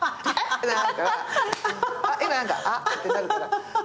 今何かあっってなるから。